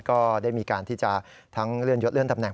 ก็ได้มีการที่จะทั้งเลื่อนยดเลื่อนตำแหน